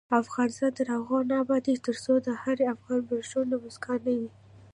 افغانستان تر هغو نه ابادیږي، ترڅو د هر افغان پر شونډو مسکا نه وي.